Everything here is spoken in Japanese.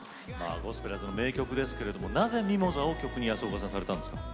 ゴスペラーズの名曲ですけれどもなぜミモザを曲に安岡さんされたんですか？